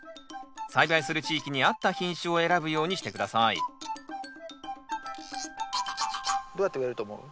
栽培する地域にあった品種を選ぶようにして下さいどうやって植えると思う？